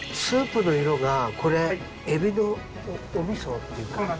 スープの色がこれエビのお味噌っていうか。